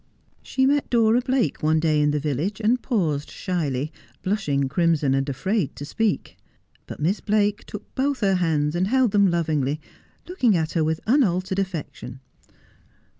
She met Dora Blake one day in the village, and paused shyly, blushing crimson, and afraid to speak. But Miss Biake took both her hands, and held them lovingly, looking at her with unaltered affection.